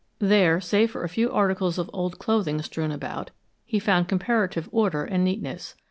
There, save for a few articles of old clothing strewn about, he found comparative order and neatness.